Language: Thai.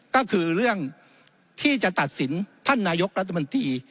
ก็คือเรื่องที่จะตัดสินท่านนายกรัฐมนตรี